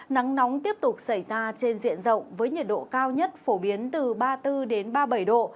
nắng nóng tiếp tục xảy ra trên diện rộng với nhiệt độ cao nhất phổ biến từ ba mươi bốn ba mươi bảy độ